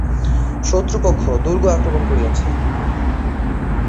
শত্রুপক্ষ দুর্গ আক্রমণ করিয়াছে।